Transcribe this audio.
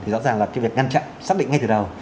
rõ ràng là việc ngăn chặn xác định ngay từ đầu